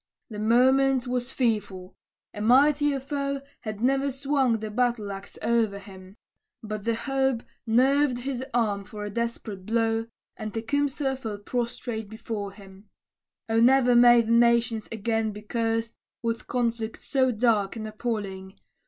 The moment was fearful; a mightier foe Had ne'er swung the battle axe o'er him; But hope nerved his arm for a desperate blow, And Tecumseh fell prostrate before him. O ne'er may the nations again be cursed With conflict so dark and appalling!